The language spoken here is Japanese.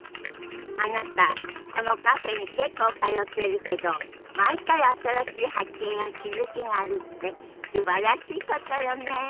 あなたこのカフェに結構通ってるけど毎回新しい発見や気付きがあるってすばらしいことよね。